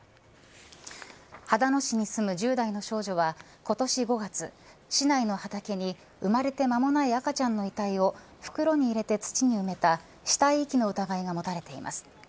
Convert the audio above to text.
秦野市に住む１０代の少女は今年５月、市内の畑に生まれて間もない赤ちゃんの遺体を袋に入れて土に埋めた死体遺棄の疑いが持たれています。